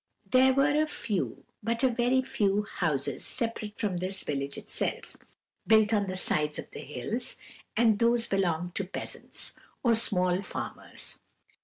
"There were a few, but a very few, houses separate from this village itself, built on the sides of the hills; and those belonged to peasants, or small farmers.